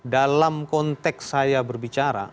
dalam konteks saya berbicara